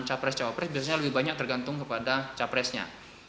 capres cawapres biasanya lebih banyak tergantung kepada capresnya